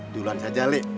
duluan saja lili